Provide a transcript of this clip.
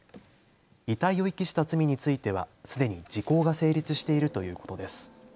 遺体を遺棄した罪についてはすでに時効が成立しているということです。